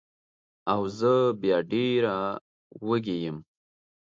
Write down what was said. او زه بیا ډېره وږې یم